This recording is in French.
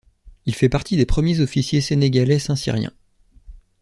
Il fait partie des premiers officiers sénégalais saint-cyriens.